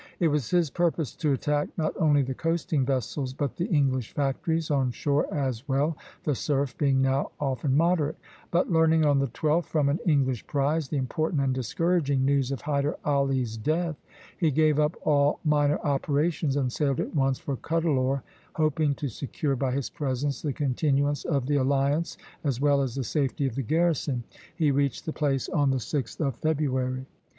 It was his purpose to attack not only the coasting vessels but the English factories on shore as well, the surf being now often moderate; but learning on the 12th, from an English prize, the important and discouraging news of Hyder Ali's death, he gave up all minor operations, and sailed at once for Cuddalore, hoping to secure by his presence the continuance of the alliance as well as the safety of the garrison. He reached the place on the 6th of February.